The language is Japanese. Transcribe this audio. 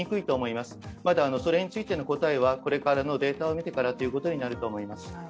またそれについての答えはこれからのデータを見てからということになると思います